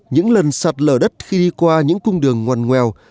những lần sạt lở đất khi đi qua những cung đường ngoan ngoèo